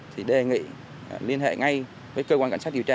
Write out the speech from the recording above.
thì đề nghị liên hệ ngay với cơ quan cảnh sát điều tra